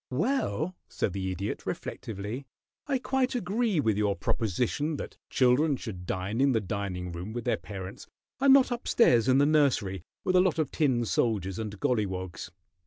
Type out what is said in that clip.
"Well," said the Idiot, reflectively, "I quite agree with your proposition that children should dine in the dining room with their parents and not up stairs in the nursery, with a lot of tin soldiers and golliwogs.